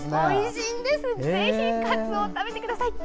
ぜひ、かつおを食べてください。